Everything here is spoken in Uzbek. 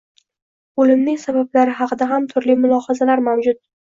Oʻlimining sabablari haqida ham turli mulohazalar mavjud